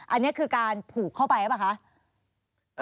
อันนี้คือการผูกเข้าไปหรือเปล่าคะ